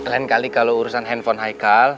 lain kali kalau urusan handphone haikal